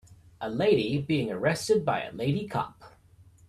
A lady being arrested by a lady cop.